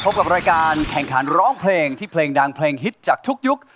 กับรายการแข่งขันร้องเพลงที่เพลงดังเพลงฮิตจากทุกยุค